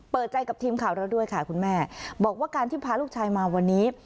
เปิดใจกับทีมข่าวเราด้วยค่ะคุณแม่บอกว่าการที่พาลูกชายมาวันนี้